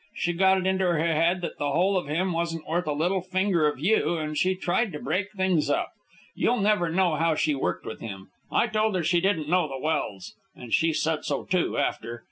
She got it into her head that the whole of him wasn't worth a little finger of you, and she tried to break things up. You'll never know how she worked with him. I told her she didn't know the Welse, and she said so, too, after.